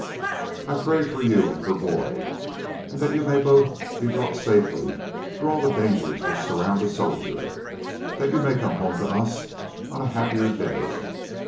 I pray for you and for Boyd, that you may both be brought safely through all the dangers which surround a soldier, that you may come home to us on a happier day.